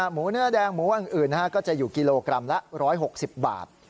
หมูเนื้อแดงหมูอื่นอื่นนะฮะก็จะอยู่กิโลกรัมละร้อยหกสิบบาท